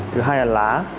thứ hai là lá